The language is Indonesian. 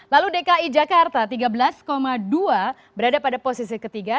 lalu dki jakarta tiga belas dua berada pada posisi ketiga